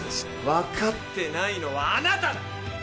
わかってないのはあなただ。